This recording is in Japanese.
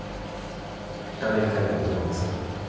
アメリカには戻るんですか？